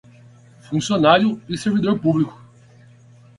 Funcionário e servidor público